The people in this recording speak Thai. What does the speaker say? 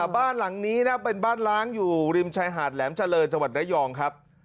บ้านหลังนี้นะเป็นบ้านล้างอยู่ริมชายหาดแหลมเจริญจังหวัดระยองครับ